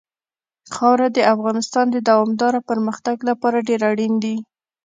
خاوره د افغانستان د دوامداره پرمختګ لپاره ډېر اړین دي.